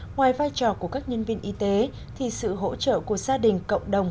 ngoài vai trò của các nhân viên y tế thì sự hỗ trợ của gia đình cộng đồng